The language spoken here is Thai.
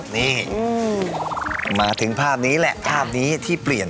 อเจมส์เออมาถึงภาพนี้แหละภาพนี้ที่เปลี่ยน